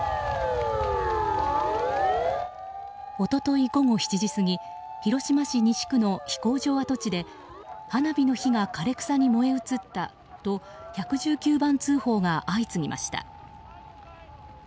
一昨日午後７時過ぎ広島市西区の飛行場跡地で花火の火が枯草に燃え移ったと１１９番通報が相次ぎました。